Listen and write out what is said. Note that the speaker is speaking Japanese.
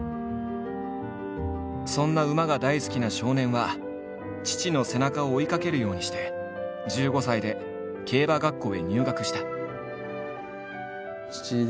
そんな馬が大好きな少年は父の背中を追いかけるようにして１５歳で競馬学校へ入学した。